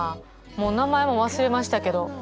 もう名前も忘れましたけど。